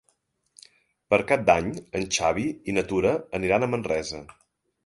Per Cap d'Any en Xavi i na Tura aniran a Manresa.